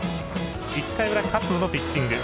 １回裏、勝野のピッチング。